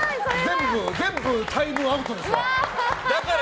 全部タイムアウトですから。